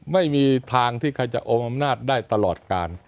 ไม่มีทางที่ใครจะอมอำนาจได้ตลอดการ